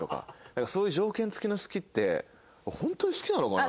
なんかそういう条件付きの「好き」って本当に好きなのかな？